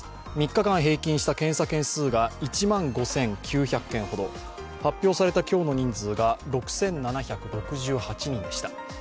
３日間平均した検査件数が１万５９００件ほど発表された今日の人数が６７６８人でした。